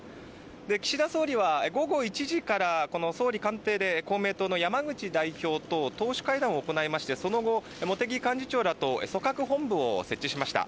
岸田総理は午後１時から総理官邸で公明党の山口代表と党首会談を行いましてその後、茂木幹事長らと組閣本部を設置しました。